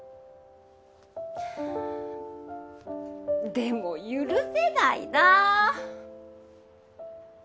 でも許せないなぁ！